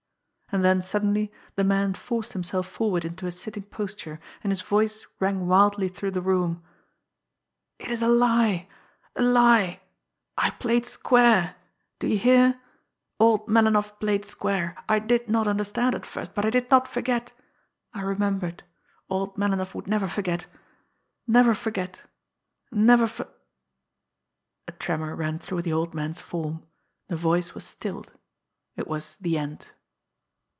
And then suddenly the man forced himself forward into a sitting posture, and his voice rang wildly through the room: "It is a lie! A lie! I played square do you hear! Old Melinoff played square! I did not understand at first but I did not forget. I remembered. Old Melinoff would never forget never forget never for " A tremor ran through the old man's form, the voice was stilled it was the end.